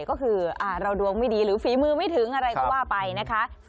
ก็คือเราดวงไม่ดีหรือฝีมือไม่ถึงอะไรก็ว่าไปนะคะ